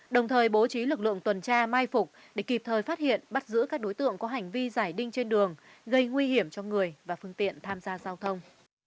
đồng thời bố trí lực lượng tuần tra mai phục để kịp thời phát hiện bắt giữ các đối tượng có hành vi giải đinh trên đường gây nguy hiểm cho người và phương tiện tham gia giao thông